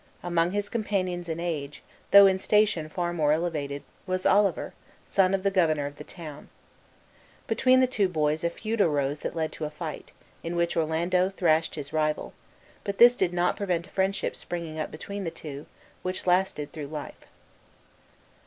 Among his companions in age, though in station far more elevated, was Oliver, son of the governor of the town. Between the two boys a feud arose that led to a fight, in which Orlando thrashed his rival; but this did not prevent a friendship springing up between the two, which lasted through life.